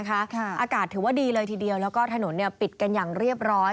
อากาศถือว่าดีเลยทีเดียวแล้วก็ถนนปิดกันอย่างเรียบร้อย